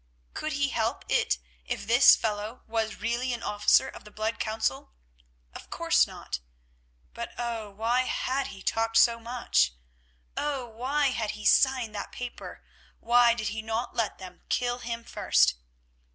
Could he help it if this fellow was really an officer of the Blood Council? Of course not. But, oh! why had he talked so much? Oh! why had he signed that paper, why did he not let them kill him first?